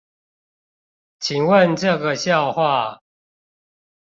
請問這個笑話